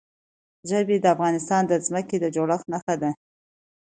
ژبې د افغانستان د ځمکې د جوړښت نښه ده.